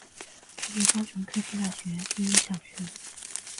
国立高雄科技大学第一校区。